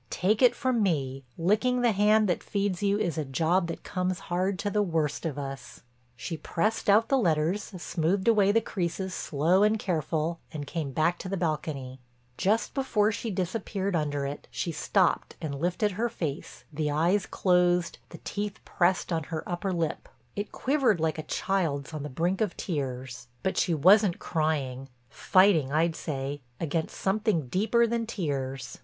Take it from me, licking the hand that feeds you is a job that comes hard to the worst of us. She pressed out the letters, smoothed away the creases slow and careful and came back to the balcony. Just before she disappeared under it she stopped and lifted her face, the eyes closed, the teeth pressed on her under lip. It quivered like a child's on the brink of tears, but she wasn't crying—fighting, I'd say, against something deeper than tears.